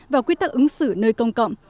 và quy tắc ứng xử nơi công cộng